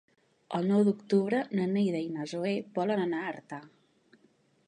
El nou d'octubre na Neida i na Zoè volen anar a Artà.